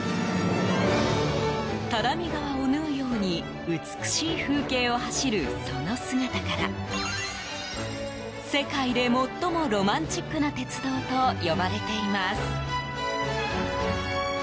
只見川を縫うように美しい風景を走る、その姿から世界で最もロマンチックな鉄道と呼ばれています。